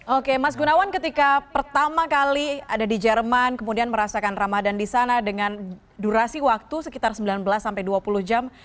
oke mas gunawan ketika pertama kali ada di jerman kemudian merasakan ramadan di sana dengan durasi waktu sekitar sembilan belas sampai dua puluh jam